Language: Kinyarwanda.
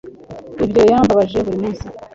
Ibyo byambabaje buri munsi